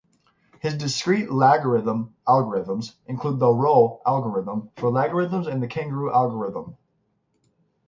His discrete logarithm algorithms include the rho algorithm for logarithms and the kangaroo algorithm.